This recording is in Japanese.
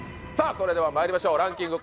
それではまいりましょうランキング